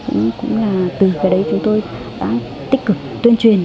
chúng tôi cũng là từ cái đấy chúng tôi đã tích cực tuyên truyền